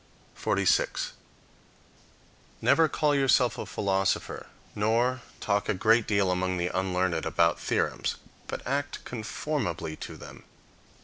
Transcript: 46. Never call yourself a philosopher, nor talk a great deal among the unlearned about theorems, but act conformably to them.